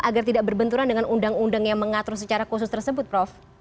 agar tidak berbenturan dengan undang undang yang mengatur secara khusus tersebut prof